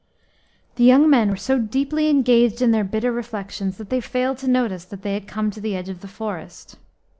The young men were so deeply engaged in their bitter reflections that they failed to notice that they had come to the edge of the forest.